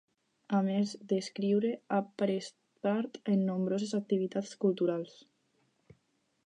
A més d’escriure, ha pres part en nombroses activitats culturals.